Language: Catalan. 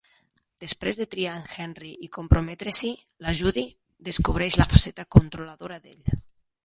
Després de triar en Henri i comprometre-s'hi, la Judy descobreix la faceta controladora d'ell.